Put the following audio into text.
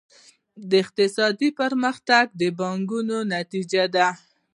اقتصادي پرمختګ د پانګونې نتیجه ده.